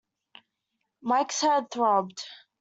Mike's head throbbed.